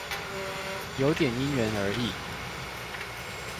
有點因人而異